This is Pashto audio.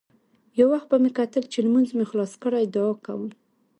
يو وخت به مې کتل چې لمونځ مې خلاص کړى دعا کوم.